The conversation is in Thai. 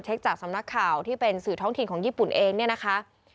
จากสำนักข่าวที่เป็นสื่อท้องถิ่นของญี่ปุ่นเองเนี่ยนะคะ